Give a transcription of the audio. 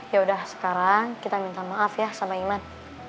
yaudah sekarang kita minta maaf ya sama iman